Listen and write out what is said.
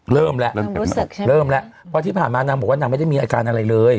เริ่มแล้วเริ่มเก็บแล้วเริ่มแล้วเพราะที่ผ่านมานางบอกว่านางไม่ได้มีอาการอะไรเลย